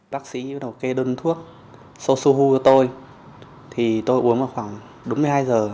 bác sĩ kêu đơn thuốc sosuhu cho tôi thì tôi uống khoảng đúng một mươi hai giờ